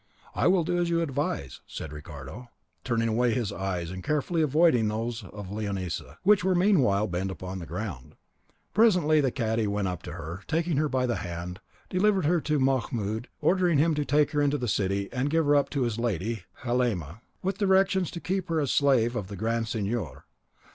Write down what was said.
"I will do as you advise," said Ricardo, turning away his eyes, and carefully avoiding those of Leonisa, which were meanwhile bent upon the ground. Presently the cadi went up to her, and taking her by the hand, delivered her to Mahmoud, ordering him to take her into the city and give her up to his lady, Halema, with directions to keep her as a slave of the Grand Signor.